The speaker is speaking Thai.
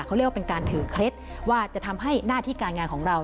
จะต้องรอตุจจีนไหมนะคะ